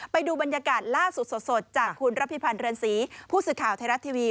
ไปดูบรรยากาศล่าสุดสดจากคุณระพิพันธ์เรือนศรีผู้สื่อข่าวไทยรัฐทีวี